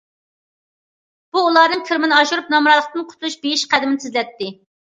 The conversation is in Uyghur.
بۇ ئۇلارنىڭ كىرىمىنى ئاشۇرۇپ، نامراتلىقتىن قۇتۇلۇپ بېيىش قەدىمىنى تېزلەتتى.